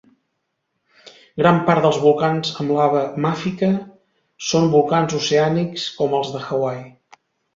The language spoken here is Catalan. Gran part dels volcans amb lava màfica són volcans oceànics com els de Hawaii.